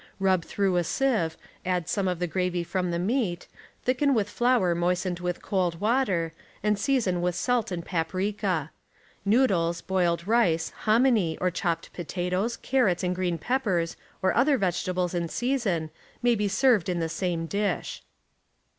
Rub through a sieve, add some of the gravy from the meat, thicken with flour moistened with cold water, and season with salt and paprika. Noodles, boiled rice, hominy, or chopped potatoes, carrots and green peppers or other vegetables in season, may be served in the same dish.